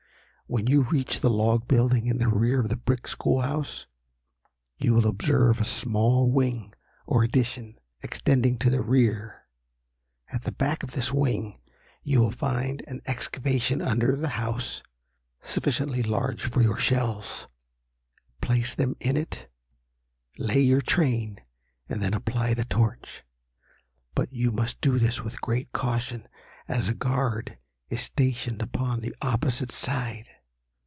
When you reach the log building in the rear of the brick school house, you will observe a small wing, or addition, extending to the rear. At the back of this wing you will find an excavation under the house sufficiently large for your shells. Place them in it, lay your train, and then apply the torch. But you must do this with great caution, as a guard is stationed upon the opposite side."